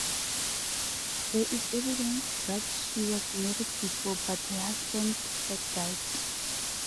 There is evidence that she was married before, but her husband had died.